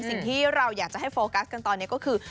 สิ่งที่เราอยากจะให้โฟกัสกันตอนนี้ก็คือ